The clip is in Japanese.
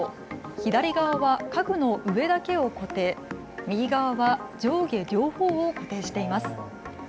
左側は家具の上だけを固定、右側は上下両方を固定しています。